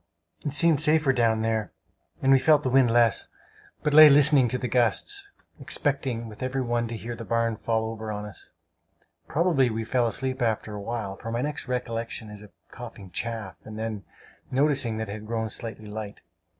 It seemed safer down there, and we felt the wind less, but lay listening to the gusts expecting with every one to hear the barn fall over us. Probably we fell asleep after a while; for my next recollection is of coughing chaff, and then noticing that it had grown slightly light.